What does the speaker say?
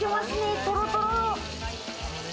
トロトロ！